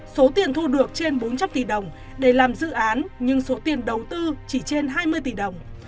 số tiền thu được trên bốn trăm linh tỷ đồng để làm dự án nhưng số tiền đầu tư chỉ trên hai mươi tỷ đồng